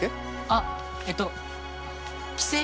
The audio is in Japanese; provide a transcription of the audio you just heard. あっえっと帰省？